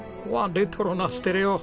レトロなステレオ。